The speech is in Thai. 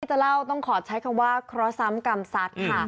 ไม่ใช่เล่าต้องขอใช้คำว่าข้อสร้ำกรรมสัตว์ค่ะ